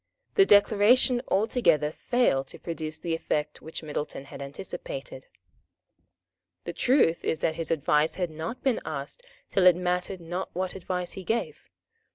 The Declaration altogether failed to produce the effect which Middleton had anticipated. The truth is that his advice had not been asked till it mattered not what advice he gave.